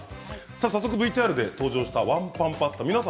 早速ＶＴＲで登場したワンパンパスタ皆さん